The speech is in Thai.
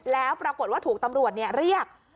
แล้วปรากฏว่าถูกตำรวจเรียก